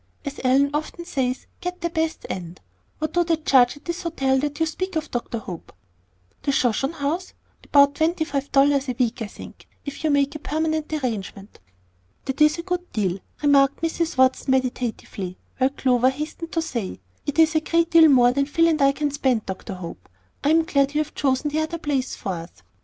As Ellen often says, get the best and What do they charge at this hotel that you speak of, Dr. Hope?" "The Shoshone House? About twenty five dollars a week, I think, if you make a permanent arrangement." "That is a good deal," remarked Mrs. Watson, meditatively, while Clover hastened to say, "It is a great deal more than Phil and I can spend, Dr. Hope; I am glad you have chosen the other place for us."